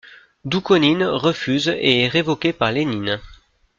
Doukhonine refuse et est révoqué par Lénine.